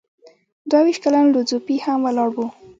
دوه ویشت کلن لو ځو پي هم ولاړ و.